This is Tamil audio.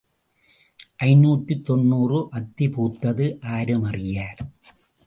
ஐநூற்று தொன்னூறு அத்தி பூத்தது ஆரும் அறியார்?